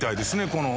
この。